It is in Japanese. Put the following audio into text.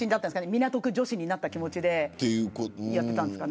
港区女子になった気持ちでやってたんですかね。